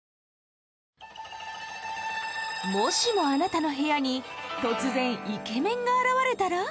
もしもあなたの部屋に突然イケメンが現れたら？